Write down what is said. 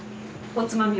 おつまみ？